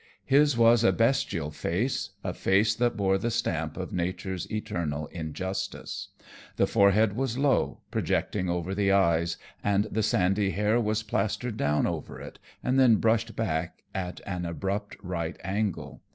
His was a bestial face, a face that bore the stamp of Nature's eternal injustice. The forehead was low, projecting over the eyes, and the sandy hair was plastered down over it and then brushed back at an abrupt right angle.